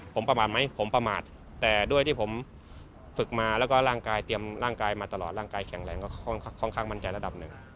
ผมประมาทไหมผมประมาทแต่ด้วยที่ผมฝึกมาแล้วก็ร่างกายเตรียมร่างกายมาตลอดร่างกายแข็งแรงก็ค่อนข้างมั่นใจระดับหนึ่ง